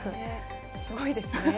すごいですね。